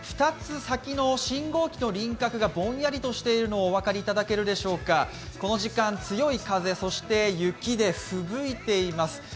２つ先の信号機の輪郭がぼんやりとしているのをお分かりいただけるでしょうかこの時間、強い風、そして雪でふぶいています。